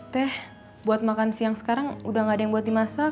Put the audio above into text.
teh buat makan siang sekarang udah gak ada yang buat dimasak